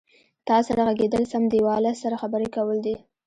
تا سره غږېدل سم دیواله سره خبرې کول دي.